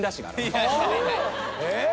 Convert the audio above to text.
えっ？